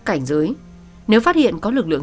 cảnh dưới nếu phát hiện có lực lượng